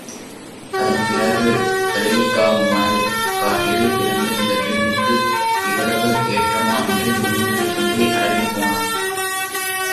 அதன் பிறகு, கலெய்க்கா, மணல் காட்டிலே பிறந்த இந்தப் பெண்ணுக்கு இவ்வளவு ஏற்றமா என்று முணுமுணுத்துக் கொண்டே அடங்கிப்போனாள்.